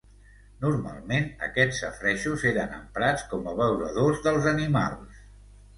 Normalment aquests safaretjos eren emprats com abeuradors dels animals.